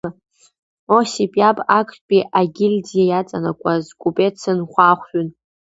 Осип иаб актәи агильдиа иаҵанакуаз купецын хәаахәҭҩын.